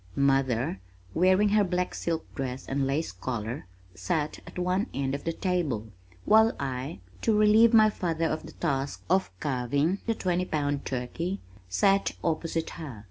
Mother, wearing her black silk dress and lace collar, sat at one end of the table, while I, to relieve my father of the task of carving the twenty pound turkey, sat opposite her.